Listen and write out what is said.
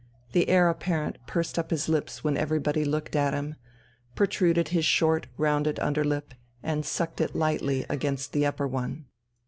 The Heir Apparent pursed up his lips when everybody looked at him, protruded his short rounded underlip, and sucked it lightly against the upper one.